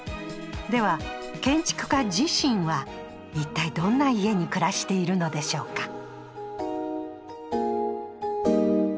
では建築家自身は一体どんな家に暮らしているのでしょうか